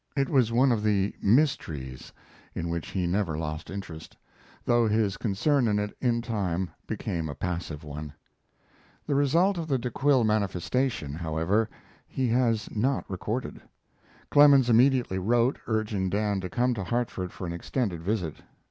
It was one of the "mysteries" in which he never lost interest, though his concern in it in time became a passive one. The result of the De Quille manifestation, however, he has not recorded. Clemens immediately wrote, urging Dan to come to Hartford for an extended visit.